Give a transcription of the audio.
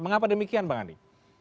mengapa demikian bang andi